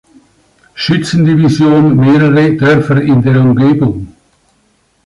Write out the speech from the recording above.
Schützendivision mehrere Dörfer in der Umgebung.